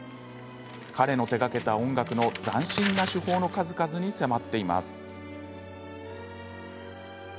彼の手がけた音楽の斬新な手法の数々に迫っています。